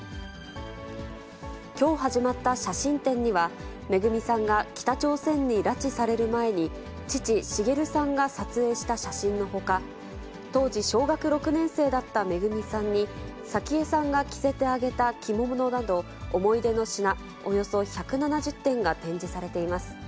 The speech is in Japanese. きょう始まった写真展には、めぐみさんが北朝鮮に拉致される前に、父、滋さんが撮影した写真のほか、当時、小学６年生だっためぐみさんに早紀江さんが着せてあげた着物など、思い出の品およそ１７０点が展示されています。